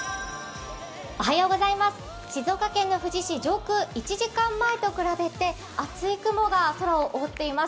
静岡県の富士市、上空、１時間前と比べて厚い雲が空を覆っています。